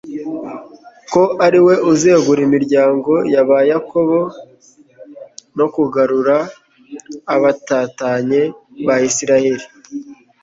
«ko ari we uzegura imiryango y'aba Yakobo no kugarura abatatanye ba Isirayeli;»